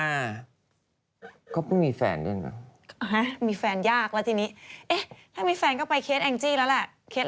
แองจี้เขียนอะไรเราไม่เห็นเพราะเราอ่านอยู่